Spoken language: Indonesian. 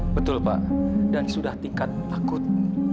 betul pak dan sudah tingkat akut